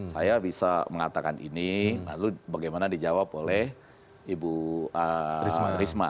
saya bisa mengatakan ini lalu bagaimana dijawab oleh ibu risma